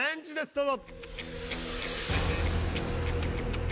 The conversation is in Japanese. どうぞ。